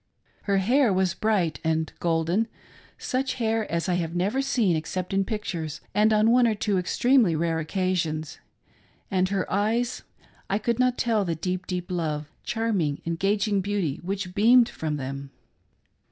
Her hair was bright and golden — such hair as I have never seen, except in pict ures and on one or two extremely rare occasions — and her eyes, I could not tell the deep, deep love — the charm ing, engaging beauty which beamed from them.